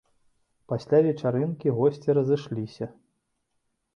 Пасля вечарынкі госці разышліся.